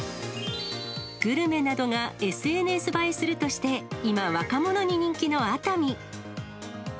グルメなどがＳＮＳ映えするとして、今、若者に人気の熱海。